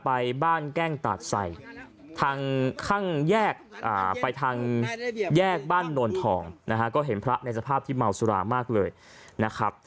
ไปทางแยกบ้านโนรทองนะฮะก็เห็นพระในสภาพที่หม่าสุรามากเลยนะครับ